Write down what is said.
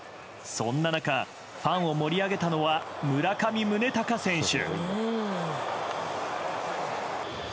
そんな中ファンを盛り上げたのは村上宗隆選手。